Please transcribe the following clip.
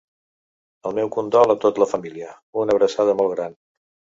El meu condol a tot la família, una abraçada molt gran.